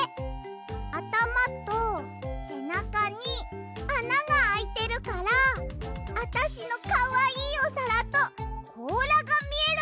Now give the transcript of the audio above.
あたまとせなかにあながあいてるからあたしのかわいいおさらとこうらがみえるんだよ！